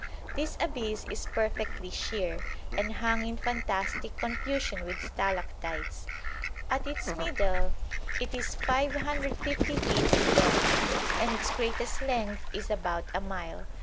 This abyss is perfectly sheer, and hung in fantastic confusion with stalactites. At its middle it is 550 feet in depth, and its greatest length is about a mile.